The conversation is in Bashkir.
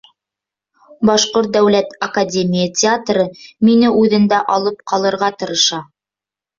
Башҡорт дәүләт академия театры мине үҙендә алып ҡалырға тырыша.